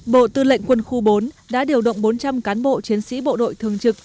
bộ tư lệnh quân khu bốn đã điều động bốn trăm linh cán bộ chiến sĩ bộ đội thường trực